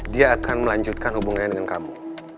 dia akan melanjutkan hubungannya dengan kamu